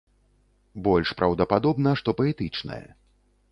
Больш праўдападобна, што паэтычнае.